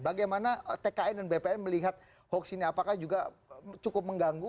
bagaimana tkn dan bpn melihat hoax ini apakah juga cukup mengganggu